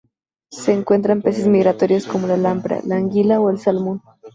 Se encuentran peces migratorios, como la lamprea, la anguila o el salmón.